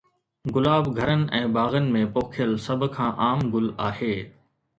گلاب گهرن ۽ باغن ۾ پوکيل سڀ کان عام گل آهي